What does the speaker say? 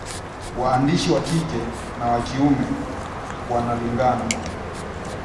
Waandishi wa kike na wa kiume wanalingana